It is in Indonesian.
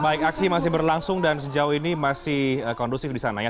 baik aksi masih berlangsung dan sejauh ini masih kondusif di sana ya